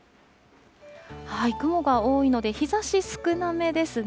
雲が多いので、日ざし少なめですね。